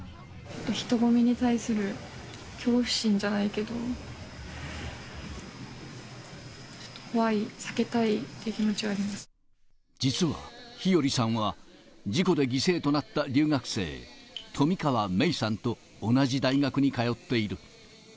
人混みに対する恐怖心じゃないけど、ちょっと怖い、実は、日和さんは、事故で犠牲となった留学生、冨川芽生さんと同じ大学に通っている。